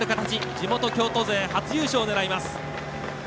地元・京都勢、初優勝を狙います。